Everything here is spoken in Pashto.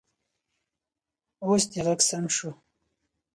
اوس دې غږ سم شو